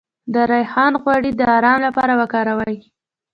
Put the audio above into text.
د ریحان غوړي د ارام لپاره وکاروئ